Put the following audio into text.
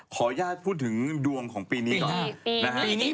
ขออนุญาตพูดถึงดวงของปีนี้ก่อนนะฮะ